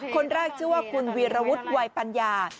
คนแรกชื่อว่าคุณวีรวุฒิวัยปัญญา